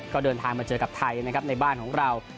ก็เดินทางมาเจอกับไทยนะครับในบ้านของเรา